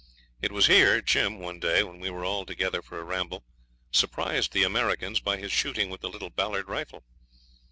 It was here Jim one day, when we were all together for a ramble, surprised the Americans by his shooting with the little Ballard rifle.